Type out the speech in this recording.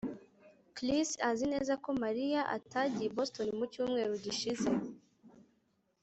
Chris azi neza ko Mariya atagiye i Boston mu cyumweru gishize